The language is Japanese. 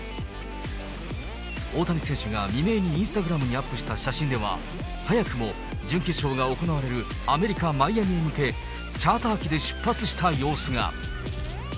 大谷選手が未明にインスタグラムにアップした写真では、早くも準決勝が行われるアメリカ・マイアミへ向け、チャーター機で出発した様子が。